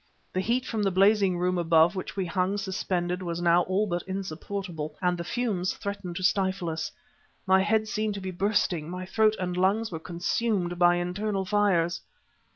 The heat from the blazing room above which we hung suspended was now all but insupportable, and the fumes threatened to stifle us. My head seemed to be bursting; my throat and lungs were consumed by internal fires.